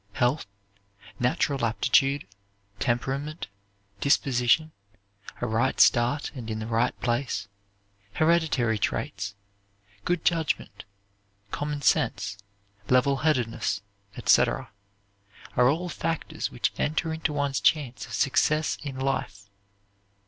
Health, natural aptitude, temperament, disposition, a right start and in the right place, hereditary traits, good judgment, common sense, level headedness, etc., are all factors which enter into one's chance of success in life.